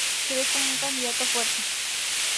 Se ve como un candidato fuerte.